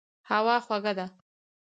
هوا خوږه ده.